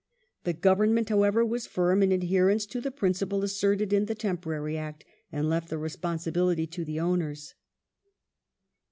The Government, however, was firm in adherence to the principle asserted in the temporary Act, and left the responsibility to the owners.